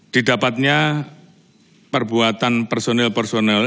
didapatnya perbuatan personil personil